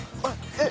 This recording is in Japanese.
え？